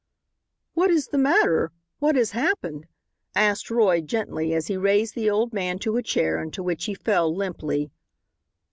"What is the matter? What has happened?" asked Roy, gently, as he raised the old man to a chair into which he fell limply.